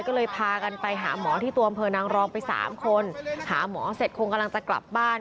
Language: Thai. ก็เลยพากันไปหาหมอที่ตัวอำเภอนางรองไปสามคนหาหมอเสร็จคงกำลังจะกลับบ้าน